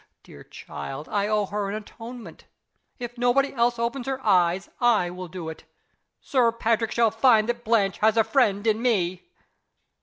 Dear child! I owe her an atonement. If nobody else opens her eyes, I will do it. Sir Patrick shall find that Blanche has a friend in Me!"